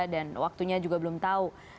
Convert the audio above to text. dan waktunya juga belum tahu